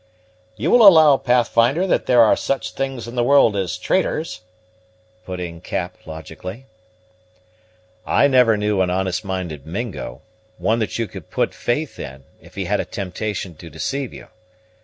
"You will allow, Pathfinder, that there are such things in the world as traitors?" put in Cap logically. "I never knew an honest minded Mingo, one that you could put faith in, if he had a temptation to deceive you.